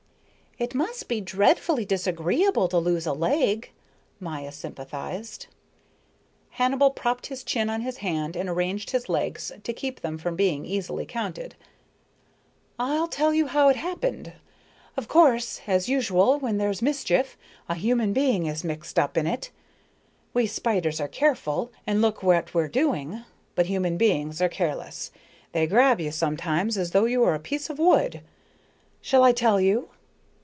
"It must be dreadfully disagreeable to lose a leg," Maya sympathized. Hannibal propped his chin on his hand and arranged his legs to keep them from being easily counted. "I'll tell you how it happened. Of course, as usual when there's mischief, a human being is mixed up in it. We spiders are careful and look what we're doing, but human beings are careless, they grab you sometimes as though you were a piece of wood. Shall I tell you?"